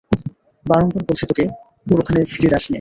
বারংবার বলেছি তোকে, ওর ওখানে ফিরে যাসনে।